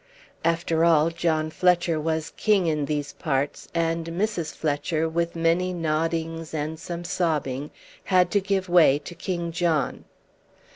After all, John Fletcher was king in these parts, and Mrs. Fletcher, with many noddings and some sobbing, had to give way to King John.